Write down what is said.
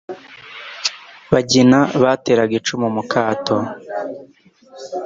Bagina bateraga icumu mu Kato